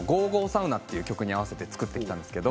サウナ」という曲に合わせて作ってきました。